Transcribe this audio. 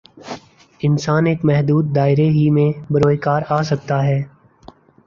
انسان ایک محدود دائرے ہی میں بروئے کار آ سکتا ہے۔